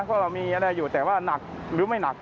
เพราะเรามีอะไรอยู่แต่ว่าหนักหรือไม่หนัก